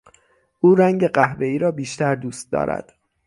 او رنگ قهوهای را بیشتر دوست دارد.